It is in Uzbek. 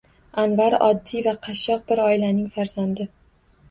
Anvar oddiy va qashshoq bir oilaning farzandi.